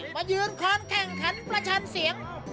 มายืนคอนแข่งขันประชันเสียง